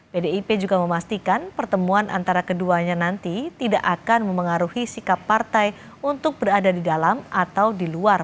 pdip juga memastikan pertemuan antara keduanya nanti tidak akan memengaruhi sikap partai untuk berada di dalam atau di luar